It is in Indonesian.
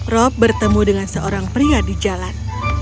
rob bertemu dengan seorang pria di jalan